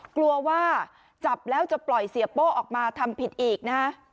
กลัวว่าจับแล้วจะปล่อยเสียโป้ออกมาทำผิดอีกนะฮะ